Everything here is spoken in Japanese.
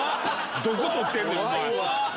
どこ取ってんねんお前！